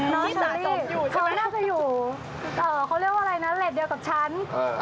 น้องชะลีเธอนั้นอาจจะอยู่เขาเรียกว่าอะไรนะเล็ดเดียวกับฉัน